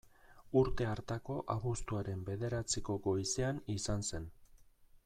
Urte hartako abuztuaren bederatziko goizean izan zen.